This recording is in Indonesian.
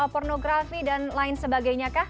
pornografi dan lain sebagainya kah